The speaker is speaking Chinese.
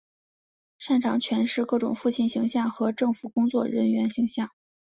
擅长诠释各种父亲形象和政府工作人员形象。